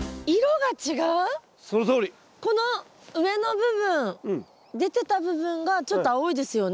この上の部分出てた部分がちょっと青いですよね。